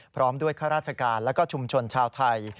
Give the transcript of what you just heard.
พร้อมด้วยข้าราชการและชุมชนชาวไทย